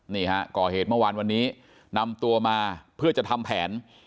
นี่ฮะก่อเหตุเมื่อวานวันนี้นำตัวมาเพื่อจะทำแผน